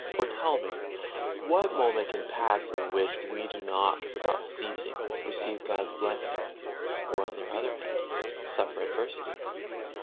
For, tell me, what moment can pass in which we do not without ceasing receive God's blessings, or, on the other hand, suffer adversity?